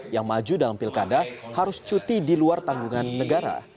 yang maju dalam pilkada harus cuti di luar tanggungan negara